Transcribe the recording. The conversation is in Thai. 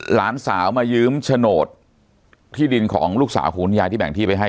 หลานสาวมายืมโฉนดที่ดินของลูกสาวของคุณยายที่แบ่งที่ไปให้